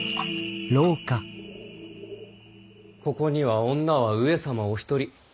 ここには女は上様お一人。